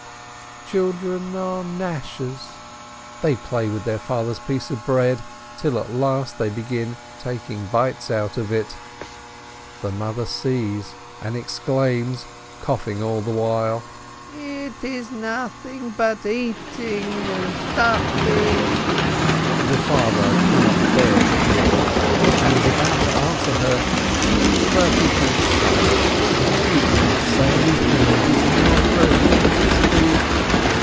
Children are nashers, they play with father's piece of bread, till at last they begin taking bites out of it. The mother sees and exclaims, coughing all the while : "It is nothing but eating and stuffing!" AN EASY FAST 145 The father cannot bear to hear it, and is about to answer her, but he keeps silent — he can't say anything, it is not for him to speak!